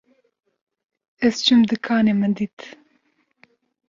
Ez çûm dikanê min dît